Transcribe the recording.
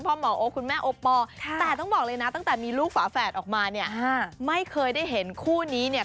พวกสาวแฝดออกมาเนี่ยไม่เคยได้เห็นคู่นี้เนี่ย